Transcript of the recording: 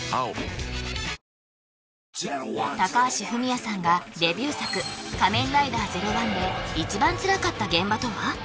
高橋文哉さんがデビュー作「仮面ライダーゼロワン」で一番つらかった現場とは？